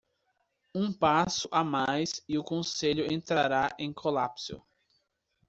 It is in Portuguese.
Um passo a mais e o conselho entrará em colapso.